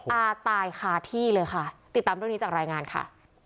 อาตายคาที่เลยค่ะติดตามด้วยจากรายงานค่ะ